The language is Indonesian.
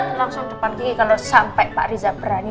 kira langsung depan kiki kalo sampe pak riza perani